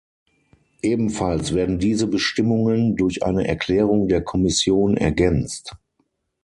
Ebenfalls werden diese Bestimmungen durch eine Erklärung der Kommission ergänzt.